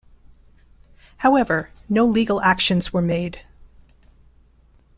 However, no legal actions were made.